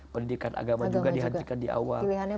pendidikan agama juga dihadirkan di awal